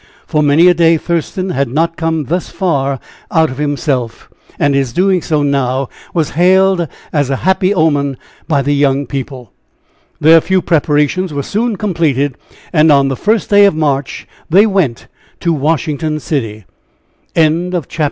For many a day Thurston had not come thus far out of himself, and his doing so now was hailed as a happy omen by the young people. Their few preparations were soon completed, and on the first of March they went to Washington City. CHAPTER XXXII. DISCOVERIES.